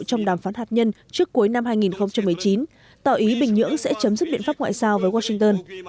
trong đàm phán hạt nhân trước cuối năm hai nghìn một mươi chín tỏ ý bình nhưỡng sẽ chấm dứt biện pháp ngoại giao với washington